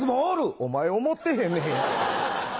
お前思ってへんねや。